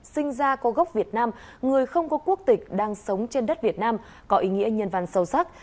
sinh ra có gốc việt nam người không có quốc tịch đang sống trên đất việt nam có ý nghĩa nhân văn sâu sắc